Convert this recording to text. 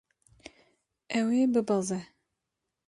Ew ê bibeze.